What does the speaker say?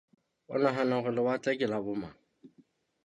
O nahana hore lewatle ke la bomang?